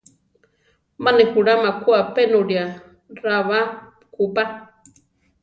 Má ne juláma ku apénulia ra ba kú pa.